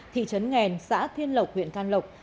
thị trấn nghèn xã thiên lộc huyện can lộc